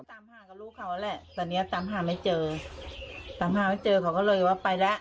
ตามหากับลูกเขาแหละตอนเนี้ยตามหาไม่เจอตามหาไม่เจอเขาก็เลยว่าไปแล้ว